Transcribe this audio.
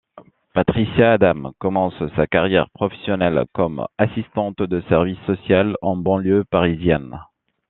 Patricia Adam commence sa carrière professionnelle comme assistante de service social en banlieue parisienne.